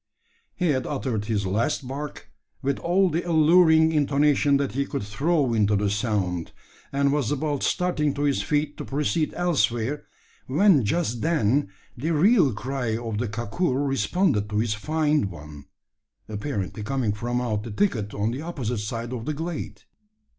He had uttered his last bark, with all the alluring intonation that he could throw into the sound; and was about starting to his feet to proceed elsewhere, when just then the real cry of the kakur responded to his feigned one apparently coming from out the thicket on the opposite side of the glade.